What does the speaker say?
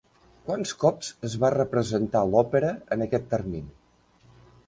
Quants cops es va representar l'òpera en aquest termini?